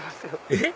えっ？